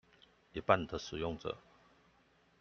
一半的使用者